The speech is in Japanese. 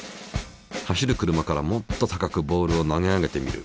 走る車からもっと高くボールを投げ上げてみる。